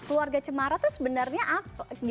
keluarga cemara itu sebenarnya apa